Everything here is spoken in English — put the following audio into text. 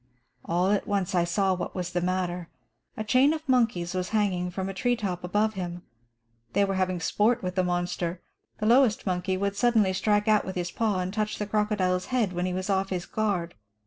"All at once I saw what was the matter. A chain of monkeys was hanging from a tree top above him. They were having sport with the monster. The lowest monkey would suddenly strike out with his paw and touch the crocodile's head when he was off his guard.